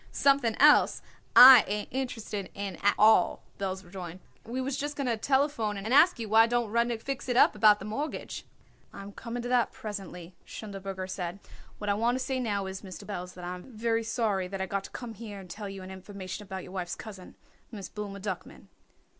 "Something else I ain't interested in at all," Belz rejoined. "We was just going to telephone and ask you why don't Rudnik fix it up about the mortgage?" "I am coming to that presently," Schindelberger said. "What I want to say now is, Mr. Belz, that I am very sorry I got to come here and tell you an information about your wife's cousin, Miss Blooma Duckman."